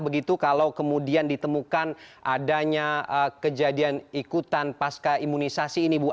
begitu kalau kemudian ditemukan adanya kejadian ikutan pasca imunisasi ini bu